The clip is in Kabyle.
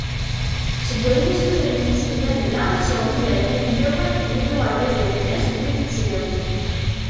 Seg wayen i ssutren yiselmaden-a, ad sεun izerfan mtawan akked wid n uɣerbaz alemmas, d wid n tesnawit.